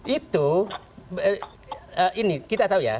itu ini kita tahu ya